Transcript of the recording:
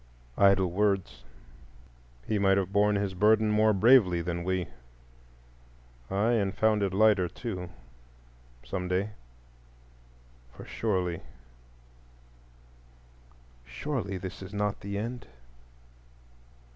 Idle words; he might have borne his burden more bravely than we,—aye, and found it lighter too, some day; for surely, surely this is not the end.